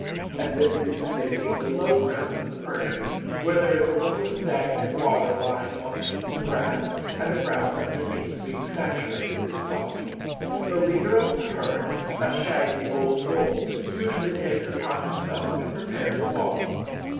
At this season they seek the low grounds in the prairies where there is a little stagnant water lying amongst the grass, and the ground underneath, being saturated, is soft. The leader of the herd, a shaggy old bull, usually takes upon himself to prepare the wallow.